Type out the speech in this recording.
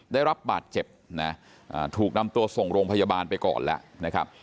ได้รับบาดเจ็บนะถูกนำตัวส่งโรงพยาบาลไปก่อนแล้วนะครับ